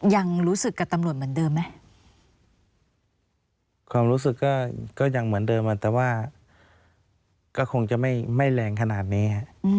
ยังรู้สึกกับตำรวจเหมือนเดิมไหมความรู้สึกก็ยังเหมือนเดิมแต่ว่าก็คงจะไม่แรงขนาดนี้